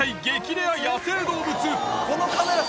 レア野生動物